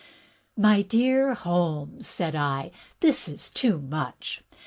" "My dear Holmes," said I, "this is too much.